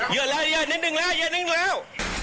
เยอะเลยเยอะนิดหนึ่งแล้วเยอะนิดหนึ่งตัวแล้ว